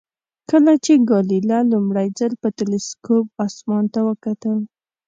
کله چې ګالیله لومړی ځل په تلسکوپ اسمان ته وکتل.